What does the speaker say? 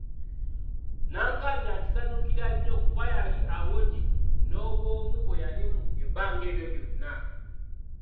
Nnankanja yakisanyukira nnyo kuba yali awonye n’obwomu bwe yalimu ebbanga eryo lyonna.